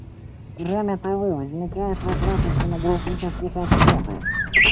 Кроме того, возникает вопрос о стенографических отчетах.